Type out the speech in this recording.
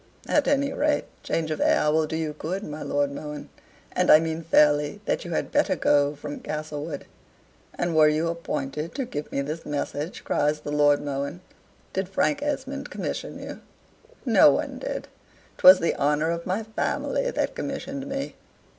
At any rate, change of air will do you good, my Lord Mohun. And I mean fairly that you had better go from Castlewood." "And were you appointed to give me this message?" cries the Lord Mohun. "Did Frank Esmond commission you?" "No one did. 'Twas the honor of my family that commissioned me."